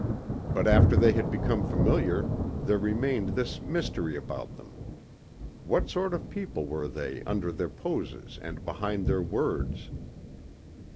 But after they had become familiar there remained this mystery about them. What sort of people were they under their poses and behind their words?